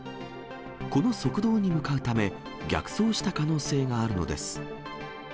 この側道に向かうため、逆走した可能性があるのです。